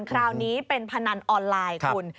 คราวนี้เป็นพนันออนไลน์คุณ